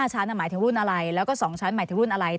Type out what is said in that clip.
ชั้นหมายถึงรุ่นอะไรแล้วก็๒ชั้นหมายถึงรุ่นอะไร